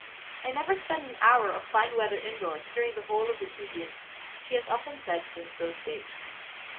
"I never spent an hour of fine weather indoors during the whole of the two years," she has often said since those days.